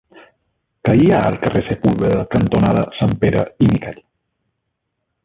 Què hi ha al carrer Sepúlveda cantonada Sanpere i Miquel?